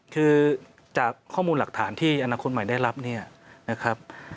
คือจากข้อมูลหลักฐานที่อนาคตใหม่ได้รับเนี่ยนะครับ